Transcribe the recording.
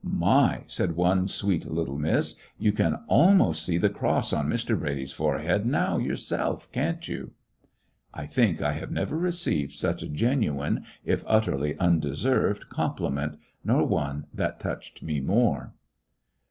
"My !" said one sweet little miss, "you can almost see the cross on Mr. Brady's forehead now yourself, can't you!" I think I have never received such a genu ine, if utterly undeserved, compliment, nor one that touched me more.